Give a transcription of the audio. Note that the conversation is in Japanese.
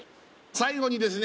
最後にですね